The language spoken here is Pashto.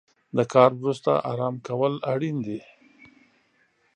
د کار وروسته ارام کول اړین دي.